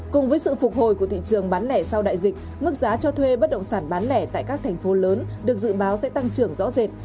cùng với sự phục hồi của thị trường bán lẻ sau đại dịch mức giá cho thuê bất động sản bán lẻ tại các thành phố lớn được dự báo sẽ tăng trưởng rõ rệt